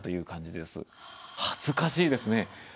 恥ずかしいですね。